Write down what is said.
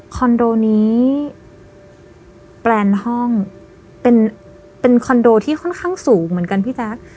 คอนโดนี้แปลนห้องเป็นคอนโดที่ค่อนข้างสูงเหมือนกันพี่แจ๊ค